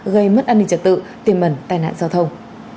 gây mất an ninh trật tự tiềm ẩn tai nạn giao thông